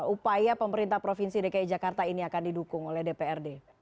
upaya pemerintah provinsi dki jakarta ini akan didukung oleh dprd